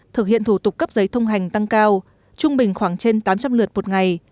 thủ tục cấp giấy thông hành tăng cao trung bình khoảng trên tám trăm linh lượt một ngày